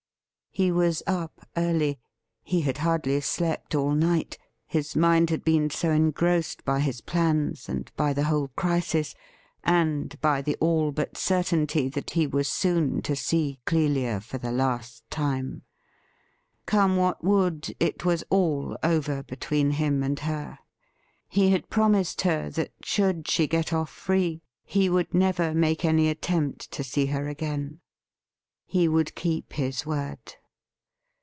He was up early; he had hardly slept all night, his mind had been so engrossed by his plans, and by the whole crisis, and by the all but certainty that he was soon to see Clelia for the last time. Come what would, it was all over between him and her. He had promised her that, should she get off free, he would never make any attempt to see her again. He would keep his word.